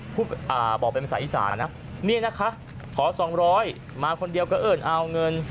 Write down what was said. บอกเป็นภาษาอีสานนะเนี่ยนะคะขอ๒๐๐มาคนเดียวก็เอิ้นเอาเงิน